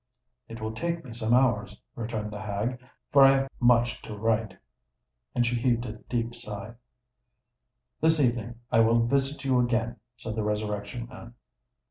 "It will take me some hours," returned the hag: "for I have much to think of—much to write!" And she heaved a deep sigh. "This evening I will visit you again," said the Resurrection Man.